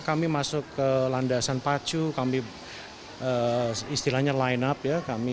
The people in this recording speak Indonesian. kami masuk ke landasan pacu kami istilahnya line up ya